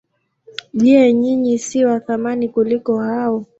Je, ninyi si wa thamani kuliko hao?